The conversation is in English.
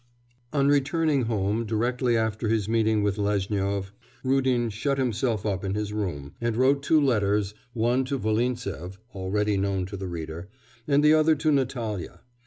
XI On returning home, directly after his meeting with Lezhnyov, Rudin shut himself up in his room, and wrote two letters; one to Volintsev (already known to the reader) and the other to Natalya.